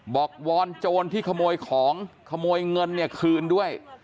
บอกวอนโจรที่ขโมยของขโมยเงินคืนด้วย